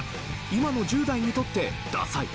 今の１０代にとってダサい？